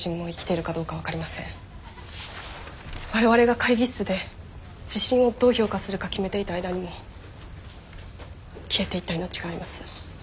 我々が会議室で地震をどう評価するか決めていた間にも消えていった命があります。